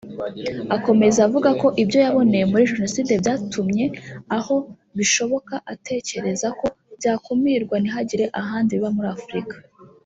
Akomeza avuga ko ibyo yaboneye muri Jenoside byatumye aho bishoboka atekereza ko byakumirwa ntihagire ahandi biba muri Afurika